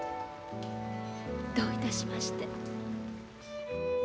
どういたしまして。